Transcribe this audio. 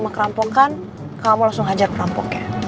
boleh apa enggaknya